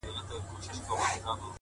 • نو د دواړو خواوو تول به برابر وي,